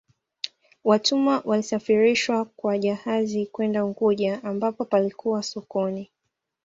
watumwa walisafirishwa kwa jahazi kwenda unguja ambapo palikuwa sokoni